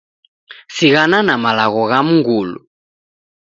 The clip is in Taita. Sighana na malagho gha mngulu.